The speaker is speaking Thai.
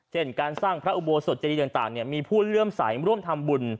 เช่นการสร้างพระอุโบสถเจดีต่างมีผู้เลื่อมใสร่วมทำบุญ